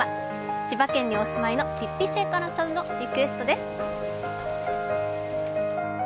千葉県にお住まいのピッピセイさんからのリクエストです。